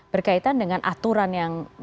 berkaitan dengan aturan yang